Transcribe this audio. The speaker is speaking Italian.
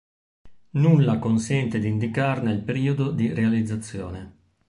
Nulla consente di indicarne il periodo di realizzazione.